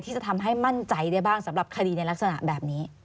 ที่จะทำให้มั่นใจได้บ้างสำหรับคดีในลักษณะแบบนี้